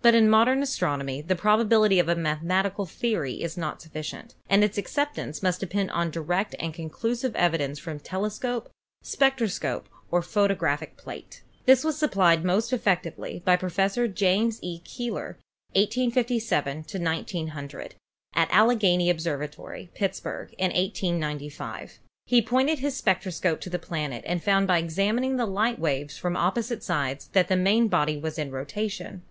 But in modern astronomy the probability of a mathematical theory is not sufficient, and its acceptance must depend upon direct and conclusive evi dence from telescope, spectroscope or photographic plate. This was supplied most effectively by Professor James E. SATURN 207 Keeler (1857 1900), at Allegheny Observatory, Pittsburg , in 1895. He pointed his spectroscope to the planet and found by examining the light waves from opposite sides that the main body was in rotation.